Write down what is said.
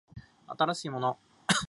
新しいものを買う